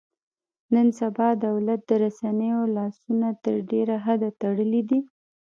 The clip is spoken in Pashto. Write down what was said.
نن سبا دولت د رسنیو لاسونه تر ډېره حده تړلي دي.